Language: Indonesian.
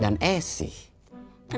kan blog tahan